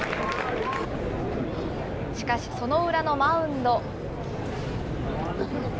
しかしその裏のマウンド。